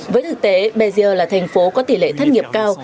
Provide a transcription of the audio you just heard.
với thực tế bézier là thành phố có tỷ lệ thất nghiệp cao